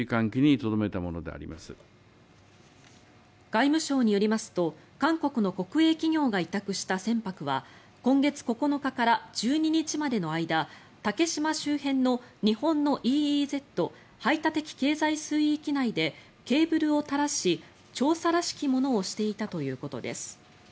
外務省によりますと韓国の国営企業が委託した船舶は今月９日から１２日までの間竹島周辺の日本のＥＥＺ・排他的経済水域内でケーブルを垂らし調査らしきものをしていたということです。